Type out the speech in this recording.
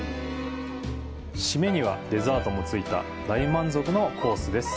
締めにはデザートもついた、大満足のコースです。